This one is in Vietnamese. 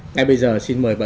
ngay bây giờ xin mời